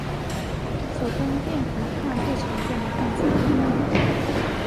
手工电弧焊最常见的焊接工艺。